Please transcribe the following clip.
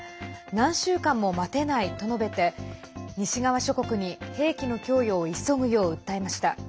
何週間も待てないと述べて西側諸国に兵器の供与を急ぐよう訴えました。